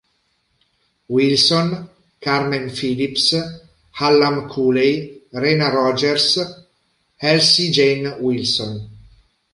Wilson, Carmen Phillips, Hallam Cooley, Rena Rogers, Elsie Jane Wilson.